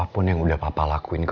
apapun yang udah papa lakuin ke gue